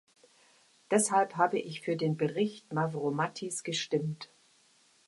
Deshalb habe ich für den Bericht Mavrommattis gestimmt.